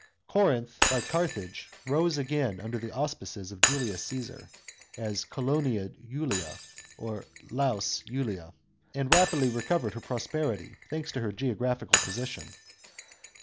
Corinth, like Carthage, rose again under the auspices of Julius Caesar, as Colonia Julia (or Laus Julia), and rapidly recovered her prosperity, thanks to her geographical position.